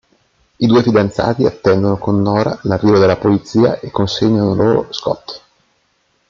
I due fidanzati attendono con Nora l'arrivo della polizia e consegnano loro Scott.